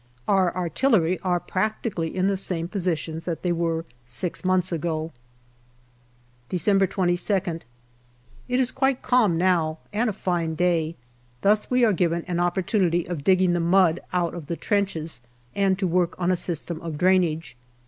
Our artillery are practically in the same positions that they were six months ago. December 22nd. It is quite calm now and a fine day ; thus we are given an opportunity of digging the mud out of the trenches and to work on a system of drainage.